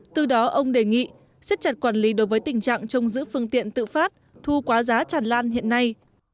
từ đó ông đề nghị xếp chặt quản lý đối với tình trạng trông giữ phương tiện tự phát thu quá giá tràn lan hiện nay